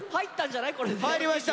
入りました。